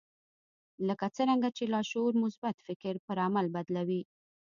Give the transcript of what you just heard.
لکه څرنګه چې لاشعور مثبت فکر پر عمل بدلوي